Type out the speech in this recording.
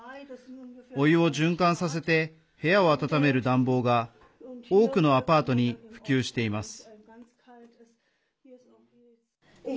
お湯を循環させて部屋を暖める暖房が多くのアパートに普及しています。